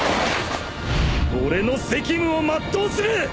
俺の責務を全うする！